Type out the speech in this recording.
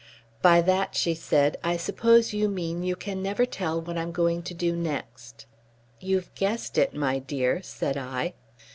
"By that," she said, "I suppose you mean you can never tell what I'm going to do next." "You've guessed it, my dear," said I.